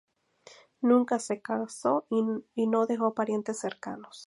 Nunca se casó y no dejó parientes cercanos.